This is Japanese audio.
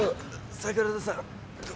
桜田さん